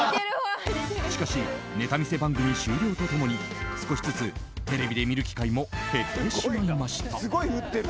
しかしネタ見せ番組終了と共に少しずつテレビで見る機会も減ってしまいました。